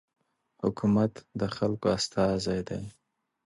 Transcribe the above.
حکومت د خلکو استازی دی.